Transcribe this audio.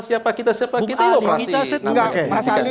siapa kita siapa kita itu enggak berhasil